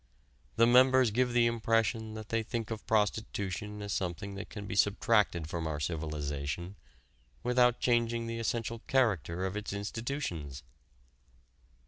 The members give the impression that they think of prostitution as something that can be subtracted from our civilization without changing the essential character of its institutions.